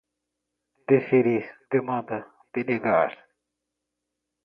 deferir, demanda, denegar